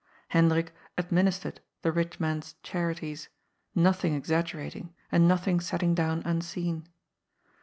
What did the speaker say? Hendrik " administered " the rich man's charities, nothing exaggerating and nothing setting down unseen.